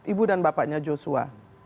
ibu dan bapaknya joshua